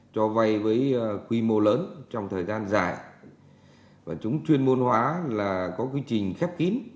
cho vay với quy mô lớn trong thời gian dài và chúng chuyên môn hóa là có quy trình khép kín